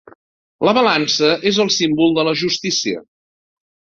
La balança és el símbol de la justícia.